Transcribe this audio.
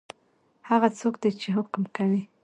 هغه څوک دی چی حکم کوي؟